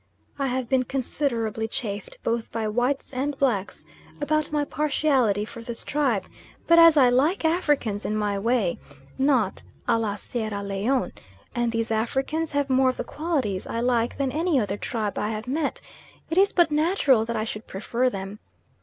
I have been considerably chaffed both by whites and blacks about my partiality for this tribe, but as I like Africans in my way not a la Sierra Leone and these Africans have more of the qualities I like than any other tribe I have met, it is but natural that I should prefer them.